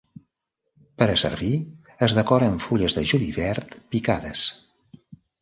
Per a servir es decora amb fulles de julivert picades.